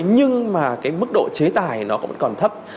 nhưng mà cái mức độ chế tài nó vẫn còn thấp